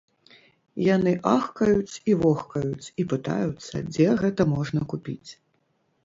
Яны ахкаюць і вохкаюць і пытаюцца, дзе гэта можна купіць.